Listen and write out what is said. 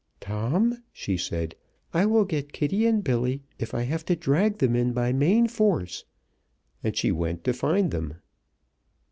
"Tom," she said, "I will get Kitty and Billy if I have to drag them in by main force!" and she went to find them.